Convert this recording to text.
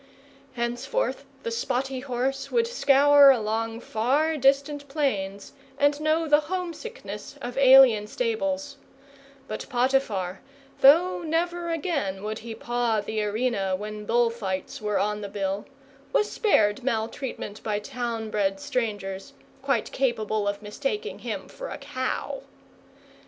Henceforth the spotty horse would scour along far distant plains and know the homesickness of alien stables; but Potiphar, though never again would he paw the arena when bull fights were on the bill, was spared maltreatment by town bred strangers, quite capable of mistaking him for a cow.